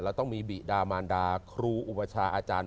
แล้วต้องมีบิดามารดาครูอุปชาอาจารย์